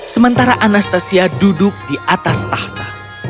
sementara anastasia duduk di atas tahta